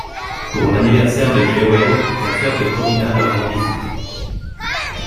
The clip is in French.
Pour l'anniversaire de Jewel, la sœur de Corinna leur rend visite.